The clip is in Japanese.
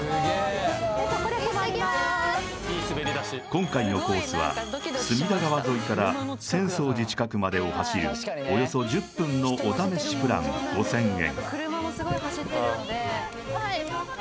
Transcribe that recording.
今回のコースは隅田川沿いから浅草寺近くまでを走るおよそ１０分のお試しプラン５０００円